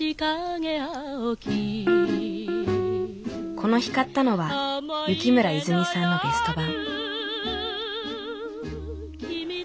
この日買ったのは雪村いづみさんのベスト盤。